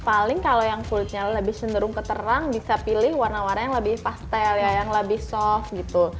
paling kalau yang kulitnya lebih cenderung keterang bisa pilih warna warna yang lebih pastel ya yang lebih soft gitu